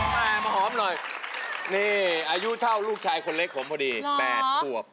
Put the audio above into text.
มาหอมหน่อยนี่อายุเท่าลูกชายคนเล็กผมพอดี๘ขวบ